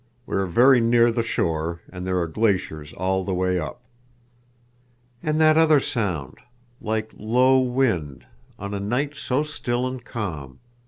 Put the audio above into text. We are very near the shore, and there are glaciers all the way up." "And that other sound, like low wind—on a night so still and calm!